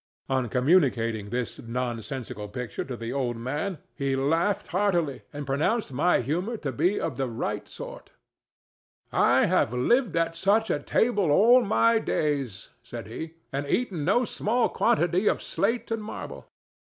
On communicating this nonsensical picture to the old man he laughed heartily and pronounced my humor to be of the right sort. "I have lived at such a table all my days," said he, "and eaten no small quantity of slate and marble."